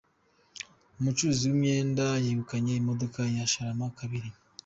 Umucuruzi w’imyenda yegukanye imodoka ya Sharama kabiri